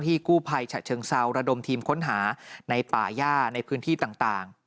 กู้ภัยฉะเชิงเซาระดมทีมค้นหาในป่าย่าในพื้นที่ต่าง